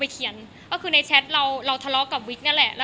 ก็คือในแชทเราทะเลาะกับวิทย์นั่นแหละ